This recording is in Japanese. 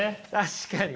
確かに。